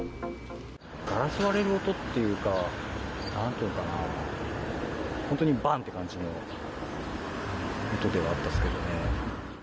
ガラスが割れる音っていうか、なんていうかな、本当にばんっていう感じの音ではあったんですけど。